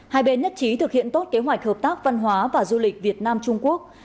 hai bên nhất trí thực hiện tốt kế hoạch hợp tác văn hóa và du lịch việt nam trung quốc